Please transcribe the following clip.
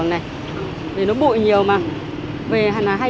nó như là kiểu đi máy gạo